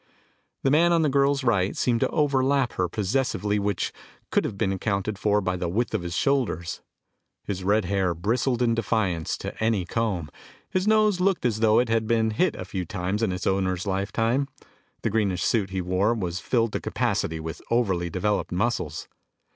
The man on the girl's right seemed to overlap her possessively which could have been accounted for by the width of his shoulders. His red hair bristled in defiance to any comb. His nose looked as though it had been hit a few times in its owner's lifetime. The greenish suit he wore was filled to capacity with overly developed muscles.